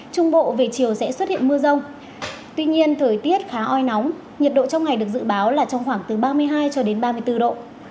trung bộ về chiều sẽ xuất hiện mưa rông tuy nhiên thời tiết khá oi nóng nhiệt độ trong ngày được dự báo là trong khoảng từ ba mươi hai cho đến ba mươi bốn độ